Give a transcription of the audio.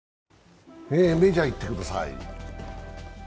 メジャーいってください。